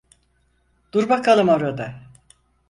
Dur bakalım orada!